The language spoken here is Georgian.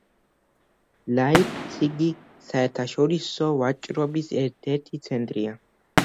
ლაიფციგი საერთაშორისო ვაჭრობის ერთ-ერთი ცენტრია.